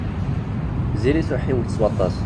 Dirit uḥiwet s waṭas.